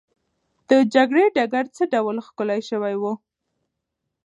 د جګړې ډګر څه ډول ښکلی سوی وو؟